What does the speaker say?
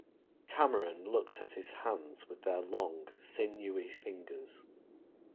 Cameron looked at his hands with their long, sinewy fingers.